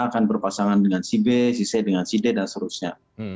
akan berpasangan dengan si b si c dengan si d dan seterusnya